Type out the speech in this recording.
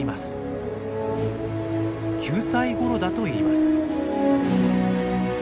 ９歳ごろだといいます。